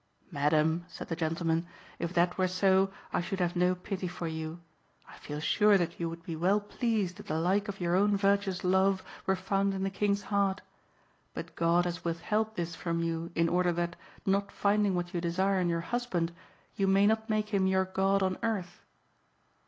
"Madam," said the gentleman, "if that were so, I should have no pity for you. I feel sure that you would be well pleased if the like of your own virtuous love were found in the King's heart; but God has withheld this from you in order that, not finding what you desire in your husband, you may not make him your god on earth."